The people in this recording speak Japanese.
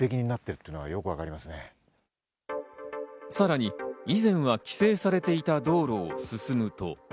さらに以前は規制されていた道路を進むと。